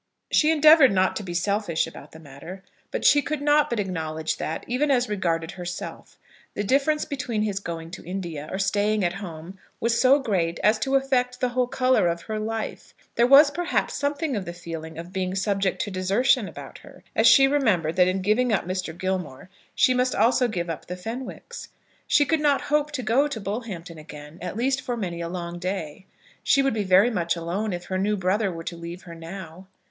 She endeavoured not to be selfish about the matter; but she could not but acknowledge that, even as regarded herself, the difference between his going to India or staying at home was so great as to affect the whole colour of her life. There was, perhaps, something of the feeling of being subject to desertion about her, as she remembered that in giving up Mr. Gilmore she must also give up the Fenwicks. She could not hope to go to Bullhampton again, at least for many a long day. She would be very much alone if her new brother were to leave her now.